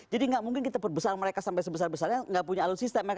jadi nggak mungkin kita perbesar mereka sampai sebesar besarnya nggak punya alutsista